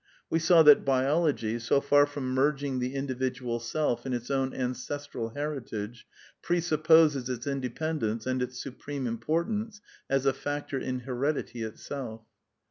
We saw that biology, so far from merging the individual self in its own ancestral heritage, presupposes its independ ence and its supreme importance as a factor in heredity itself.